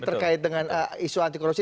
terkait dengan isu anti korupsi